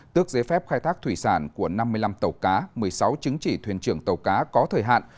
tước giấy phép khai thác thủy sản của năm mươi năm tàu cá một mươi sáu chứng chỉ thuyền trưởng tàu cá có thời hạn